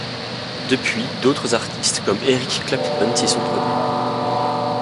Depuis, d'autres artistes, comme Eric Clapton, s'y sont produits.